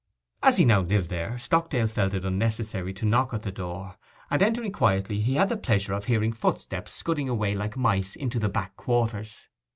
As he now lived there, Stockdale felt it unnecessary to knock at the door; and entering quietly he had the pleasure of hearing footsteps scudding away like mice into the back quarters.